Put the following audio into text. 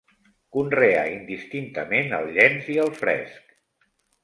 Conreà indistintament el llenç i el fresc.